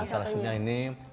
salah satunya ini